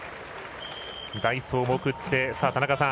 代走も送って、田中さん